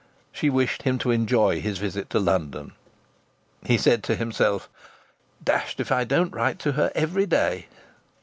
She wished him to enjoy his visit to London. He said to himself: "Dashed if I don't write to her every day!"